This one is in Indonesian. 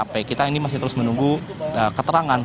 tapi kita ini masih terus menunggu keterangan